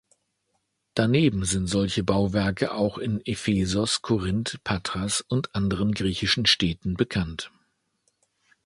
Daneben sind solche Bauwerke auch in Ephesos, Korinth, Patras und anderen griechischen Städten bekannt.